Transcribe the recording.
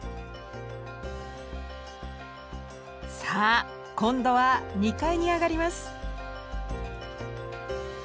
さあ今度は２階に上がります。